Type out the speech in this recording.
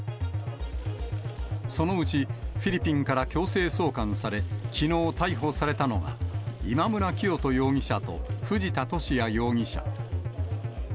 そのうち、フィリピンから強制送還され、きのう逮捕されたのが、今村磨人容疑者と藤田聖也容疑者。